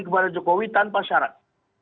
kepada jokowi tanpa syarat